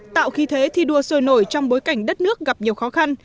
tạo khí thế thi đua sôi nổi trong bối cảnh đất nước gặp nhiều khó khăn